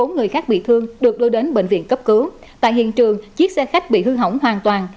một mươi bốn người khác bị thương được đưa đến bệnh viện cấp cứu tại hiện trường chiếc xe khách bị hư hỏng hoàn toàn